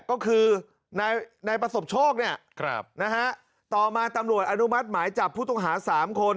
ก็คือนายประสบโชคเนี่ยนะฮะต่อมาตำรวจอนุมัติหมายจับผู้ต้องหา๓คน